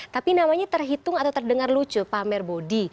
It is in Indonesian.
tapi namanya terhitung atau terdengar lucu pamer bodi